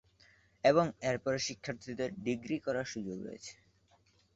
এবং এরপরে শিক্ষার্থীদের ডিগ্রি করার সুযোগ রয়েছে।